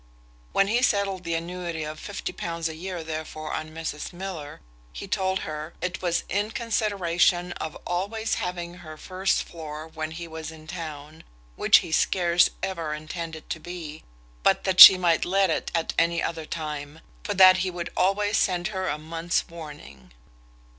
When he settled the annuity of £50 a year therefore on Mrs Miller, he told her, "it was in consideration of always having her first floor when he was in town (which he scarce ever intended to be), but that she might let it at any other time, for that he would always send her a month's warning."